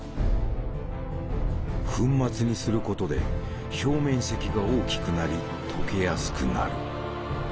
粉末にすることで表面積が大きくなり溶けやすくなる。